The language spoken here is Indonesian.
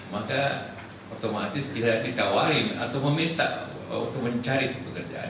maka otomatis kita avoirin atau mau mencari pekerjaan